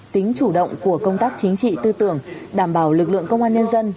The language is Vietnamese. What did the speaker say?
tính chủ động của công tác chính trị tư tưởng đảm bảo lực lượng công an nhân dân